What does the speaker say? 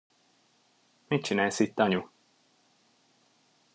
Mit csinálsz itt, anyu?